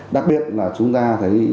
đặc biệt là chúng ta thấy